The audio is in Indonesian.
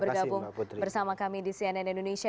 bergabung bersama kami di cnn indonesia